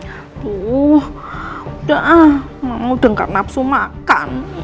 aduh udah ah mama udah gak nafsu makan